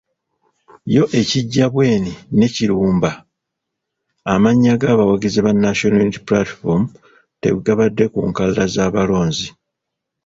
Yo e Kijjabwemi ne Kirumba amannya ga bawagizi ba National Unity Platform tegabadde ku nkalala z’abalonzi.